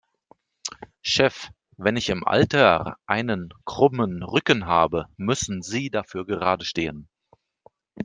Chef, wenn ich im Alter einen krummen Rücken habe, müssen Sie dafür geradestehen.